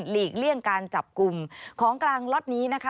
กี่ยงการจับกลุ่มของกลางล็อตนี้นะคะ